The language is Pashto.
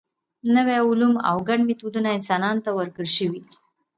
نوي علوم او ګڼ میتودونه انسانانو ته ورکړل شوي.